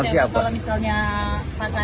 proyeksinya seperti apa